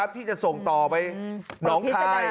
ที่จะส่งต่อไปน้องคาย